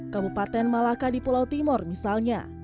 kabupaten malaka di pulau timur misalnya